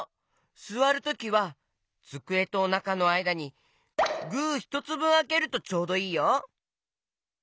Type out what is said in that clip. すわるときはつくえとおなかのあいだにグーひとつぶんあけるとちょうどいいよ。